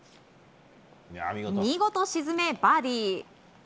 見事沈め、バーディー。